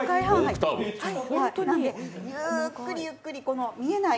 ゆっくりゆっくり見えない